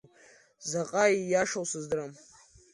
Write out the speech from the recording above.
Заҟа ииашоу сыздырам.